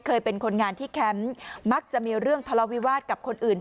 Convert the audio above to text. เคยเป็นคนงานที่แคมป์มักจะมีเรื่องทะเลาวิวาสกับคนอื่น